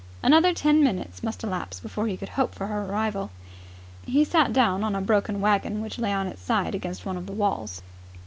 Another ten minutes must elapse before he could hope for her arrival. He sat down on a broken wagon which lay on its side against one of the walls.